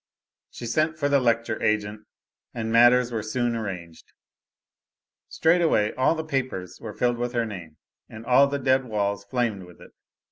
She sent for the lecture agent, and matters were soon arranged. Straightway, all the papers were filled with her name, and all the dead walls flamed with it.